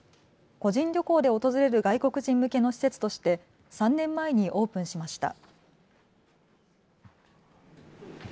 個人旅行で訪れる外国人向けの施設として３年前にオープンしました。